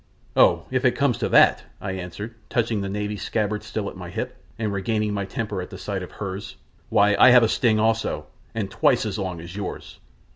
"Oh, if it comes to that," I answered, touching the Navy scabbard still at my hip, and regaining my temper at the sight of hers, "why, I have a sting also and twice as long as yours!